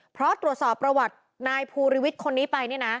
เพราะตรวจสอบประวัตินายภูริวิทธิ์คนนี้ไป